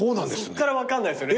そっから分かんないっすよね